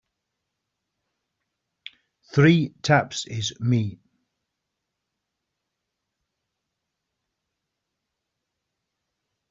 Three taps is me.